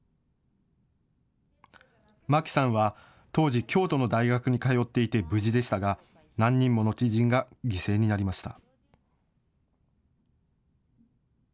舞木さんは当時、京都の大学に通っていて無事でしたが何人もの知人が犠牲になりました。